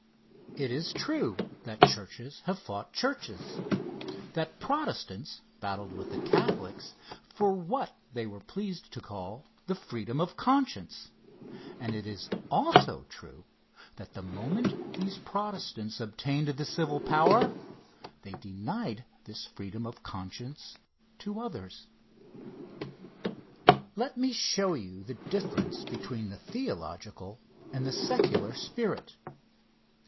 It is true that churches have fought churches that Protestants battled with the Catholics for what they were pleased to call the freedom of conscience; and it is also true that the moment these Protestants obtained the civil power, they denied this freedom of conscience to others. 'Let me show you the difference between the theological and the secular spirit.